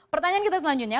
pertanyaan kita selanjutnya